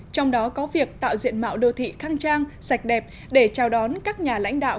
trong đó có việc tạo diện mạo đô thị khang trang sạch đẹp để chào đón các nhà lãnh đạo